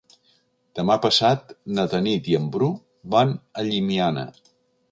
Demà passat na Tanit i en Bru van a Llimiana.